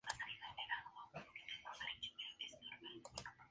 Con la adición de torpedos se convirtieron en cañoneros-torpederos.